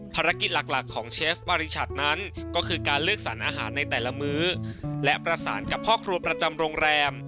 ภารกิจหลักของเชฟบริชัดนั้นก็คือการเลือกสารอาหารในแต่ละมื้อและประสานกับพ่อครัวประจำโรงแรม